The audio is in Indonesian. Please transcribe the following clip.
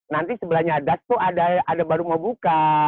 nanti sebelahnya ada tuh ada baru mau buka